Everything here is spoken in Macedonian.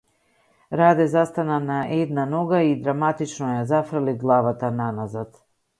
Раде застана на една нога и драматично ја зафрли главата наназад.